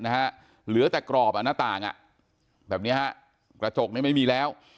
เหลือแต่กรอบหน้าต่างแบบนี้ฮะกระจกนี้ไม่มีแล้ว